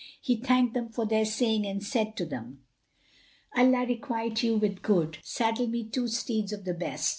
He thanked them for their saying and said to them "Allah requite you with good! Saddle me two steeds of the best."